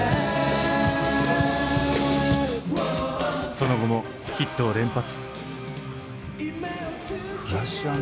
その後もヒットを連発。